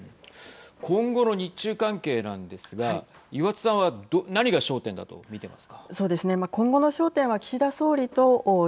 今後の日中関係なんですが岩田さんは何が焦点だと見てますか。